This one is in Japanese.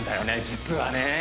実はね